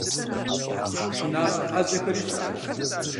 ПшынащӀэ Ӏэзэхэри щыӀэт.